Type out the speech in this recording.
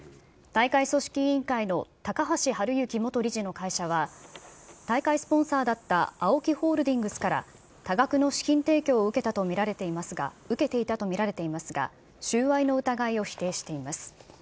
大会組織委員会の高橋治之元理事の会社は、大会スポンサーだったＡＯＫＩホールディングスから多額の資金提供を受けていたと見られていますが、収賄の疑いを否定しています。